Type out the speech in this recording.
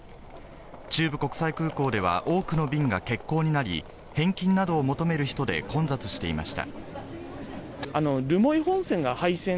中部国際空港では多くの便が欠航になり、返金などを求める人で混雑していました。